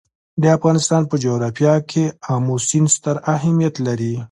د افغانستان په جغرافیه کې آمو سیند ستر اهمیت لري.